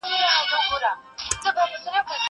زه به سبا کتابونه ليکم!